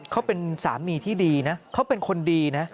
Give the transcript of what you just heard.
เขาเป็นสามีที่ดีนะเขาเป็นคนดีนะ